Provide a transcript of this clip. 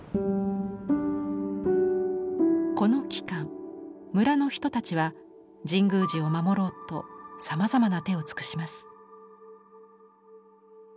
この期間村の人たちは神宮寺を守ろうとさまざまな手を尽くします。